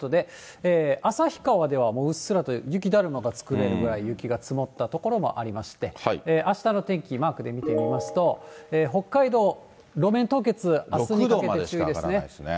旭川ではもううっすらと、雪だるまが作れるぐらい雪が積もった所もありまして、あしたの天気、マークで見てみますと、北海道、路面凍結、あすに向けて注意ですね。